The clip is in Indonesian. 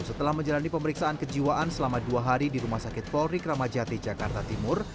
setelah menjalani pemeriksaan kejiwaan selama dua hari di rumah sakit polri kramajati jakarta timur